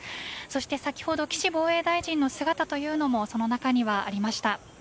そして、先ほど岸防衛大臣の姿というのもその中にはありました。